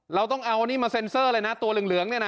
เราต้องเอานี่มาเซ็นเซอร์เลยนะตัวเหลืองเนี่ยนะ